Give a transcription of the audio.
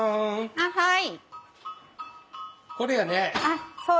あっはい。